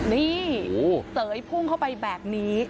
นี่เต๋ยพุ่งเข้าไปแบบนี้